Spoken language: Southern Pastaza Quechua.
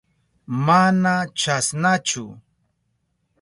Mana chasnachu.